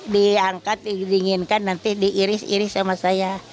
diangkat didinginkan nanti diiris iris sama saya